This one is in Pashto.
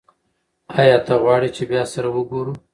ایا ته غواړې چې بیا سره وګورو؟